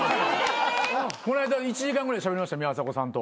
こないだ１時間ぐらいしゃべりました宮迫さんと。